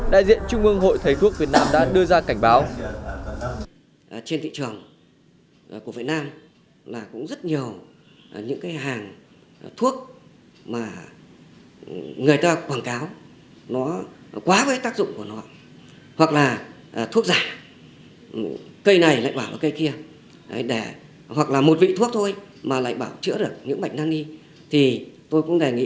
đại diện trung ương hội thầy thuốc việt nam đã đưa ra cảnh báo